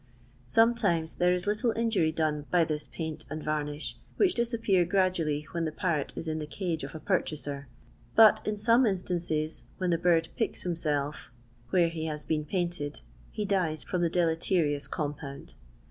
Sometimes there is little injury done by this paint and varnish, which disappear gradually when the parrot is in the cage of a purchaser ; but in some instances when the bird picks him self where he has been painted, he dies from the deleterious compound.